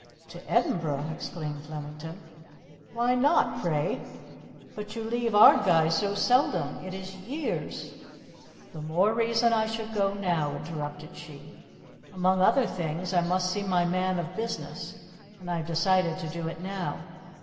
"To Edinburgh?" exclaimed Flemington. "Why not, pray?" "But you leave Ardguys so seldom. It is years " "The more reason I should go now," interrupted she. "Among other things, I must see my man of business, and I have decided to do it now.